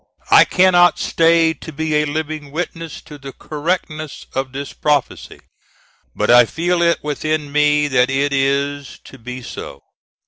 I cannot stay to be a living witness to the correctness of this prophecy; but I feel it within me that it is to be so.